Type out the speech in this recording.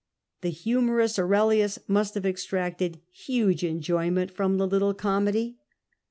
The humorous Aurelius must have extracted huge enjoyment from the little comedy.